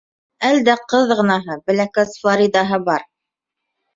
Әлдә ҡыҙғынаһы, бәләкәс Флоридаһы бар.